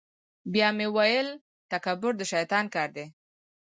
بیا مې ویل تکبر د شیطان کار دی.